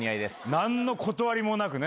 何の断りもなくね。